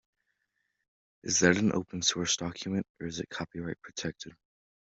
Is that an open source document, or is it copyright-protected?